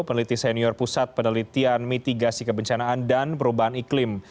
peneliti senior pusat penelitian mitigasi kebencanaan dan perubahan iklim